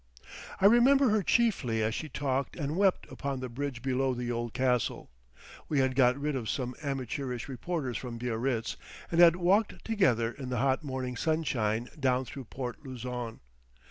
I remember her chiefly as she talked and wept upon the bridge below the old castle. We had got rid of some amateurish reporters from Biarritz, and had walked together in the hot morning sunshine down through Port Luzon.